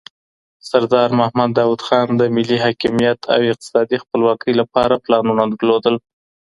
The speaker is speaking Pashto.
سردار محمد داود خان د ملي حاکمیت او اقتصادي خپلواکۍ لپاره پلانونه درلودل.